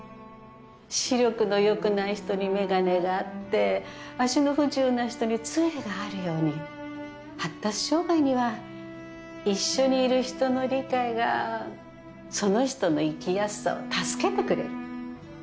視力のよくない人に眼鏡があって足の不自由な人につえがあるように発達障害には一緒にいる人の理解がその人の生きやすさを助けてくれる。